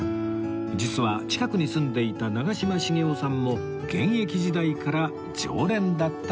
実は近くに住んでいた長嶋茂雄さんも現役時代から常連だったそうです